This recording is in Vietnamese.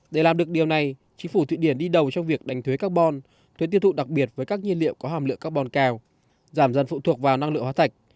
để làm được điều này chính phủ thụy điển đi đầu trong việc đánh thuế carbon thuế tiêu thụ đặc biệt với các nhiên liệu có hàm lượng carbon cao giảm dần phụ thuộc vào năng lượng hóa thạch